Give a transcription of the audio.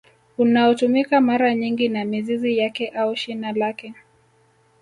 Unaotumika mara nyingi na mizizi yake au shina lake